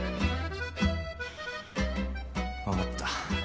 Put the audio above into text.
わかった。